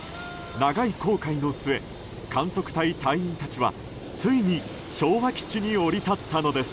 長い航海の末観測隊隊員たちはついに昭和基地に降り立ったのです。